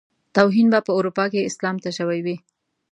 توهين به په اروپا کې اسلام ته شوی وي.